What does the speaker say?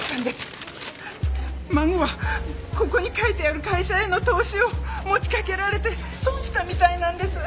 孫はここに書いてある会社への投資を持ちかけられて損したみたいなんです。